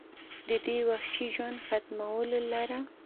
د دې وحشي ژوند ختمولو لره